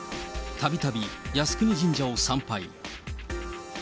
たびたび、靖国神社を参拝。